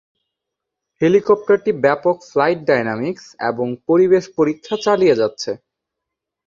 হেলিকপ্টারটি ব্যাপক ফ্লাইট-ডাইনামিক্স এবং পরিবেশ পরীক্ষা চালিয়ে যাচ্ছে।